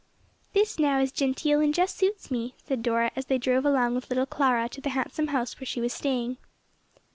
"This now is genteel and just suits me," said Dora, as they drove along with little Clara to the handsome house where she was staying.